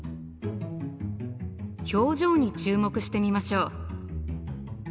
表情に注目してみましょう。